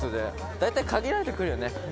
大体、限られてくるよね